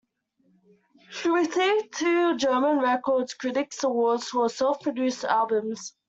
She received two German Record Critics' awards for self-produced albums.